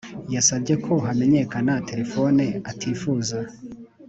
Yasabye ko hamenyekana telefoni atifuza